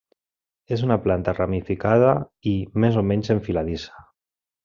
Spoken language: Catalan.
És una planta ramificada i més o menys enfiladissa.